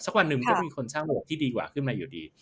วันหนึ่งก็มีคนสร้างวกที่ดีกว่าขึ้นมาอยู่ดี